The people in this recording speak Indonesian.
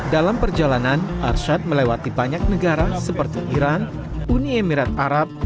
dalam perjalanan arsyad melewati banyak negara seperti iran uni emirat arab